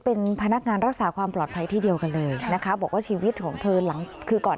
เป็นพนักงานรักษาความปลอดภัยที่เดียวกันเลยนะคะบอกว่าชีวิตของเธอหลังคือก่อน